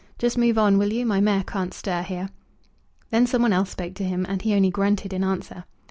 Just move on, will you? My mare can't stir here." Then some one else spoke to him, and he only grunted in answer.